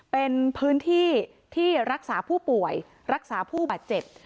เป็นพื้นที่ที่รักษาผู้ป่วยรักษาผู้บาดเจ็บ